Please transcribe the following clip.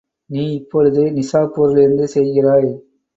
நீ இப்பொழுது நிசாப்பூரிலிருந்து செய்கிறாய்.